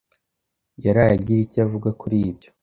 yaraye agira icyo avuga kuri ibyo.